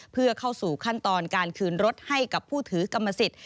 เพื่อเข้าสู่ขั้นตอนการคืนรถให้กับผู้ถือกรรมสิทธิ์